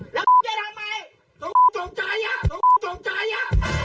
แล้วจะทำไมต้องต้องใจอ่ะต้องต้องใจอ่ะ